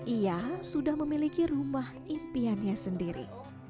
ia sudah memiliki rumah impiannya sendiri